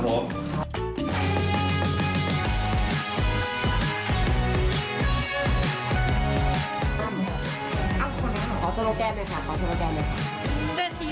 รอดูแล้วค่ะทีนี้นะครับไฟติ้งครับผม